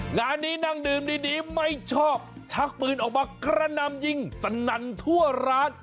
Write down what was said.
งานนี้นั่งดื่มดีไม่ชอบชักปืนออกมากระนำยิงสนั่นทั่วร้าน